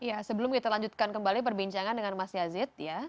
ya sebelum kita lanjutkan kembali perbincangan dengan mas yazid ya